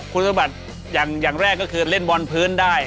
คุณสมบัติอย่างแรกก็คือเล่นบอลพื้นได้